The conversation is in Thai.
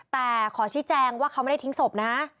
แต่ขอชี้แจงว่าเขาไม่ได้ทิ้งศพนะ